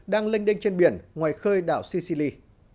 đang lênh đênh trên biển ngoài khơi đảo sicily